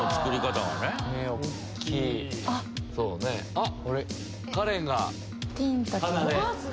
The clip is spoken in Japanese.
あっ！